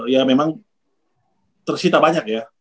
ya memang tersita banyak ya